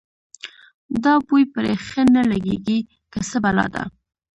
دا بوی پرې ښه نه لګېږي که څه بلا ده.